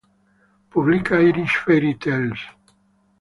Publica "Irish Fairy Tales".